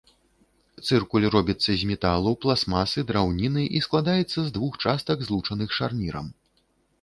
Цыркуль робіцца з металу, пластмасы, драўніны і складаецца з двух частак, злучаных шарнірам.